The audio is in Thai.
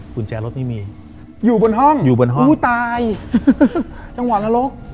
กุญแจรถไม่มีอยู่บนห้องอยู่บนห้องผู้ตายจังหวะนรก